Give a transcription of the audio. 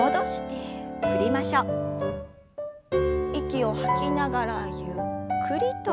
息を吐きながらゆっくりと。